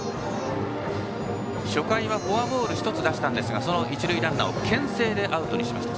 初回はフォアボールを１つ出したんですがその一塁ランナーをけん制でアウトにしました。